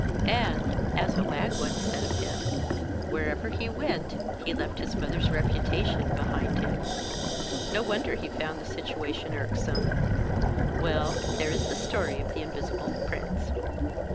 And (as a wag once said of him) wherever he went, he left his mother's reputation behind him. No wonder he found the situation irksome. Well, there is the story of the Invisible Prince."